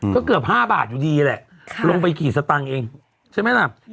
ก็เกือบ๕บาทอยู่ดีแหละลงไปกี่สตางค์เองใช่ไหมล่ะ